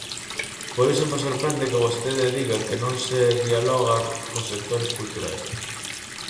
Por iso me sorprende que vostede diga que non se dialoga cos sectores culturais.